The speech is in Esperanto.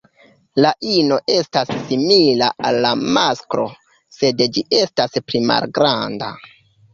La ino estas simila al la masklo, sed ĝi estas pli malgranda.